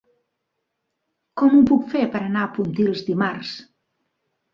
Com ho puc fer per anar a Pontils dimarts?